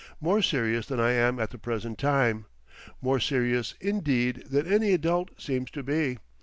More serious than I am at the present time. More serious, indeed, than any adult seems to be.